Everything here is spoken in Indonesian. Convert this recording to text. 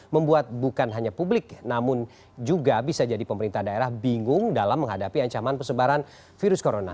membuat bukan hanya publik namun juga bisa jadi pemerintah daerah bingung dalam menghadapi ancaman pesebaran virus corona